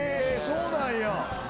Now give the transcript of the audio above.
そうなんや。